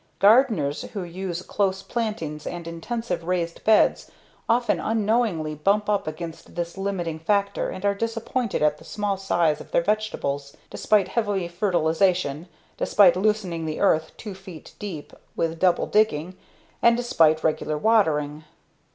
Gardeners who use close plantings and intensive raised beds often unknowingly bump up against this limiting factor and are disappointed at the small size of their vegetables despite heavy fertilization, despite loosening the earth two feet deep with double digging, and despite regular watering.